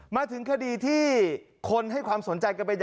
มาถึงคดีที่คนให้ความสนใจกันไปเยอะ